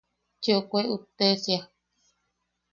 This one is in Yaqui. ¡Chiʼokuktesia!